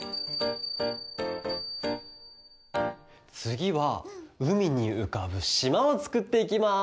つぎはうみにうかぶしまをつくっていきます！